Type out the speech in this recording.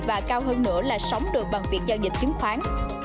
và cao hơn nữa là sóng được bằng việc giao dịch chứng khoán